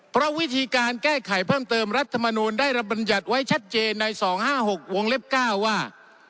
เพราะวิธีการแก้ไขเพิ่มเติมรัฐมนุนได้บรรยัตรไว้ชัดเจนในสองห้าหกวงเล็บเก้าว่า